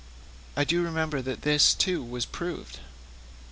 'I do remember that this, too, was proved.'